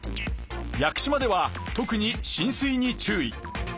屋久島では特に浸水に注意。